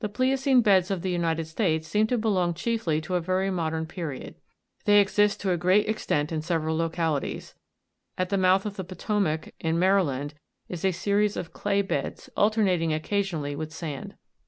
The pliocene beds of the United States seem to belong chiefly to a very modern period ; they exist to a great extent in several localities. At the mouth of the Potomac, in Maryland, is a series of clay beds, alternating occasionally with sand.